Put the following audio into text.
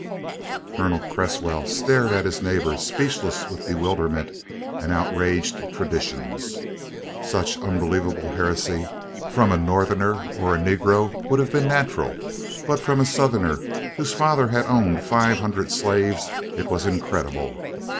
'" Colonel Cresswell stared at his neighbor, speechless with bewilderment and outraged traditions. Such unbelievable heresy from a Northerner or a Negro would have been natural; but from a Southerner whose father had owned five hundred slaves it was incredible!